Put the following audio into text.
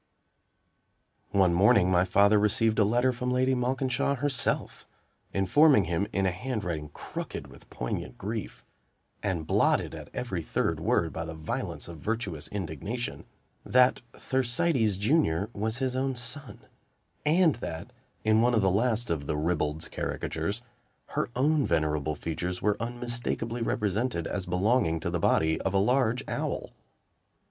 One morning my father received a letter from Lady Malkinshaw herself, informing him, in a handwriting crooked with poignant grief, and blotted at every third word by the violence of virtuous indignation, that "Thersites Junior" was his own son, and that, in one of the last of the "ribald's" caricatures her own venerable features were unmistakably represented as belonging to the body of a large owl!